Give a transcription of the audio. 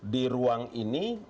di ruang ini